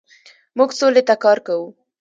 موږ سولې ته کار کوو.